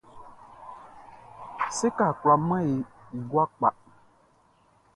Séka kwla man e i gua kpa.